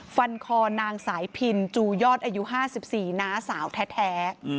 ฟันคอนางสายพินจูยอดอายุ๕๔น้าสาวแท้